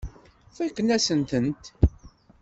Fakeɣ-asen-tent.